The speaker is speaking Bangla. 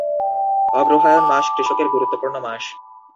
অগ্রহায়ণ মাস কৃষকের গুরুত্বপূর্ণ মাস।